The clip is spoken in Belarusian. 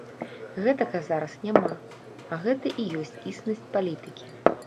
Гэтага зараз няма, а гэта і ёсць існасць палітыкі.